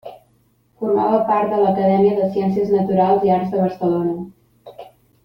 Formava part de l'Acadèmia de Ciències Naturals i Arts de Barcelona.